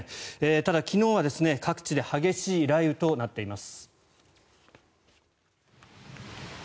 ただ、昨日は各地で激しい雷雨となっています。